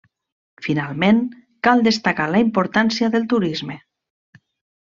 Finalment, cal destacar la importància del turisme.